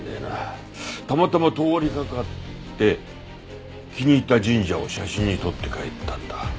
たまたま通りかかって気に入った神社を写真に撮って帰ったんだ。